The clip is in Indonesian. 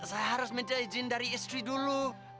saya harus minta izin dari istri dulu